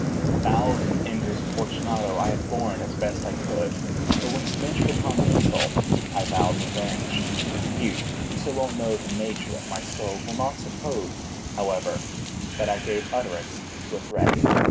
The thousand injuries of Fortunato I had borne as I best could; but when he ventured upon insult, I vowed revenge. You, who so well know the nature of my soul, will not suppose, however, that I gave utterance to a threat.